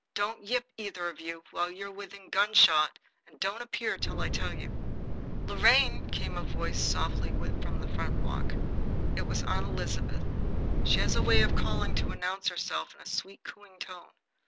Don't yip, either of you, while you're within gunshot, and don't appear till I tell you." "Lorraine!" came a voice, softly, from the front walk. It was Aunt Elizabeth. She has a way of calling to announce herself in a sweet, cooing tone.